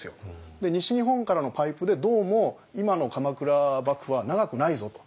西日本からのパイプでどうも今の鎌倉幕府は長くないぞと。